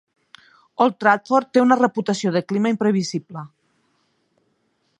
Old Trafford té una reputació de clima imprevisible.